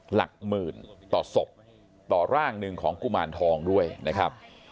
หลักหมื่นต่อศพต่อร่างหนึ่งของกุมารทองด้วยนะครับ